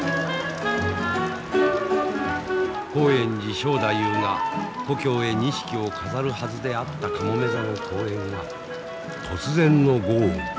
興園寺正太夫が故郷へ錦を飾るはずであったかもめ座の公演は突然の豪雨にあわれ